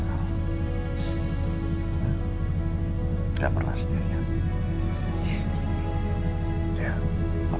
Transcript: gak pernah sendirian